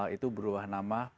itu berubah nama